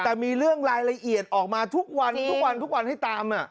แต่มีเรื่องลายละเอียดออกมาทุกวันให้ตาม